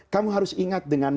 kamu harus ingat dengan